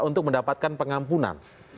untuk mendapatkan pengampunan